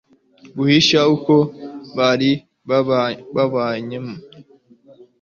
guhisha kuko bari bababonye